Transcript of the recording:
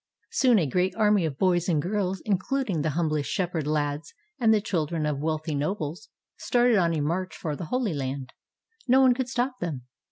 Soon a great army of boys and girls, including the humblest shepherd lads and the children of wealthy nobles, started on a march for the Holy Land. No one could stop them.